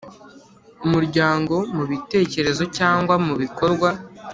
Umuryango mu bitekerezo cyangwa mu bikorwa